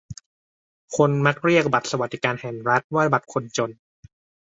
คนมักเรียกบัตรสวัสดิการแห่งรัฐว่าบัตรคนจน